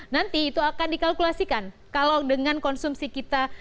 nanti itu akan dikalkulasikan kalau dengan konsumsi kita